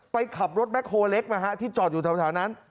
ไปขับรถแบ็คโฮเล็กนะฮะที่จอดอยู่แถวนั้น